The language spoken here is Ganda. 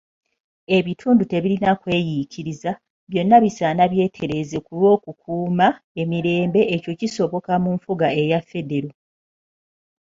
Ebitundu tebirina kweyiikiriza, byonna bisaana byetereeze ku lw'okukuuma emirembe ekyo kisoboka mu nfuga eya federo.